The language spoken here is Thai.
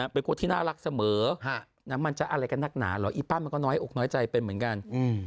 เป็นคนที่น่ารักเสมอมันจะอะไรกันนักหนาเหรออีปั้นมันก็น้อยอกน้อยใจเป็นเหมือนกัน